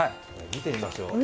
見てみましょう、朝。